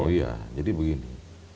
oh iya jadi begini